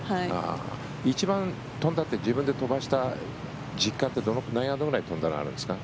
一番飛んだって自分で飛ばした実感があるのは何ヤードぐらいあるんですか？